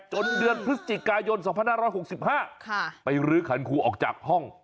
เดือนพฤศจิกายน๒๕๖๕ไปรื้อขันครูออกจากห้อง